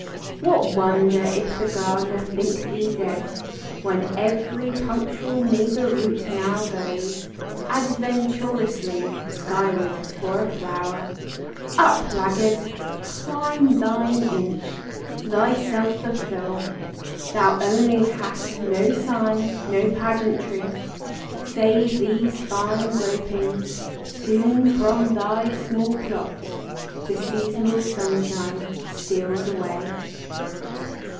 What wonder if the gardener think thee dead, When every punctual neighbor root now goes Adventurously skyward for a flower? Up, laggard! climb thine inch; thyself fulfil; Thou only hast no sign, no pageantry, Save these fine gropings: soon from thy small plot The seasonable sunshine steals away.